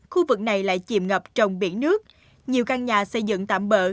khu vực này lại chìm ngập trong biển nước nhiều căn nhà xây dựng tạm bỡ